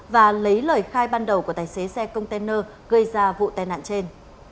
và lấy lời khai ban đầu của tài xế xe container gây ra vụ tai nạn trên